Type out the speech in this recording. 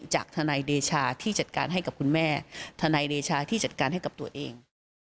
จากทนายเดชาที่จัดการให้กับคุณแม่ทนายเดชาที่จัดการให้กับตัวเอง